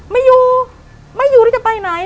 ไม่อยู่ไม่อยู่ที่จะไปไหน